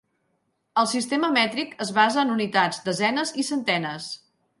El sistema mètric es basa en unitats, desenes i centenes.